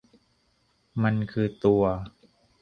มันคือตัว